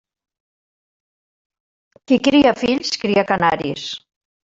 Qui cria fills, cria canaris.